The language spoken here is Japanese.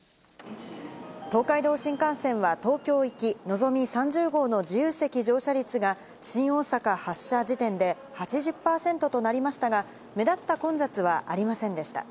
東海道新幹線は、東京行きのぞみ３０号の自由席乗車率が、新大阪発車時点で８０％となりましたが、目立った混雑はありませんでした。